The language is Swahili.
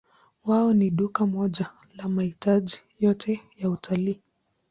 Wao ni duka moja la mahitaji yote ya utalii.